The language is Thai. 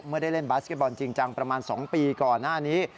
ได้เล่นบาสเก็ตบอลจริงจังประมาณ๒ปีก่อนหน้านี้